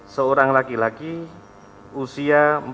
dan yang dikira sebagai panjang dan kamu